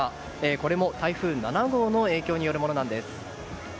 これも台風７号の影響によるものなんです。